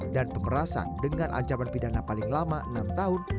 dan pemerasan dengan ancaman pidana paling lama enam tahun